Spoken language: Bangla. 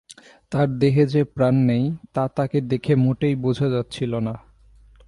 তার দেহে যে প্রাণ নেই, তা তাকে দেখে মোটেই বোঝা যাচ্ছিল না।